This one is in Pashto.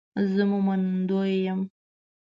زه مو منندوی یم